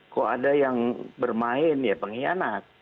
kok ada yang bermain ya pengkhianat